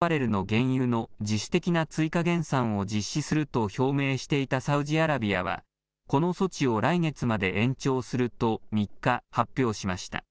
今月から１日当たり１００万バレルの原油の自主的な追加減産を実施すると表明していたサウジアラビアは、この措置を来月まで延長すると３日、発表しました。